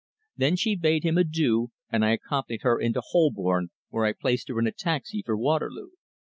Then she bade him adieu and I accompanied her out into Holborn, where I placed her in a taxi for Waterloo.